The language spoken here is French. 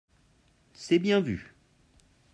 C’est bien vu